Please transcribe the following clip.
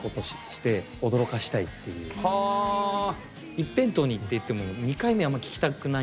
一辺倒にいっていっても２回目あんま聴きたくないんですよ